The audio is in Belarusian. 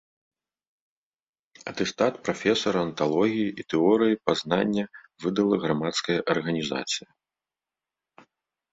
Атэстат прафесара анталогіі і тэорыі пазнання выдала грамадская арганізацыя.